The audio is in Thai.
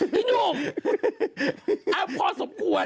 พี่หนุ่มพอสมควร